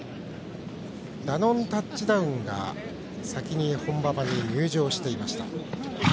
ダノンタッチダウンが先に本馬場に入場していました。